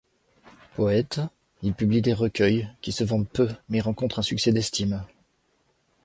Poète, il publie des recueils qui se vendent peu mais rencontrent un succès d'estime.